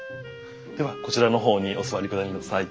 ではこちらの方にお座りください。